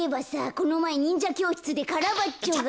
このまえにんじゃきょうしつでカラバッチョが。